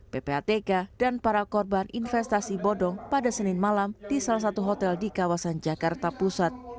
ppatk dan para korban investasi bodong pada senin malam di salah satu hotel di kawasan jakarta pusat